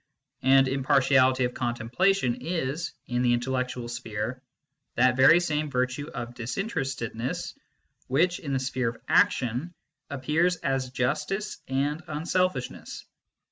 And im partiality of contemplation is, in the intellectual sphere, that very same virtue of disinterestedness which, in the sphere of action, appears as justice and unselfishness.